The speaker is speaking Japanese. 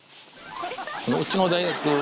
このうちの大学